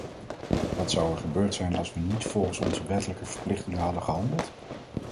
Wat zou er gebeurd zijn als we niet volgens onze wettelijke verplichtingen hadden gehandeld?